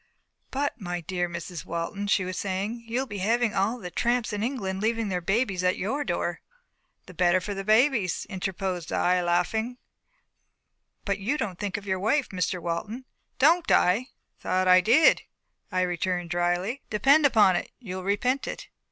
"But, my dear Mrs. Walton," she was saying, "you'll be having all the tramps in England leaving their babies at your door." "The better for the babies," interposed I, laughing. "But you don't think of your wife, Mr. Walton." "Don't I? I thought I did," I returned dryly. "Depend upon it, you'll repent it."